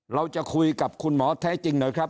เราจะคุยกับคุณหมอแท้จริงหน่อยครับ